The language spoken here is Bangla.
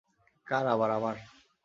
কার আবার, আমার।